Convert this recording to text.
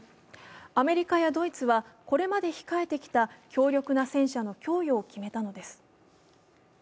アメリカやドイツはこれまで控えてきた強力な戦車の供与を決めたのです。